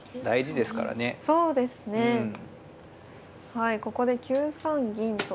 はいここで９三銀と。